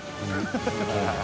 ハハハ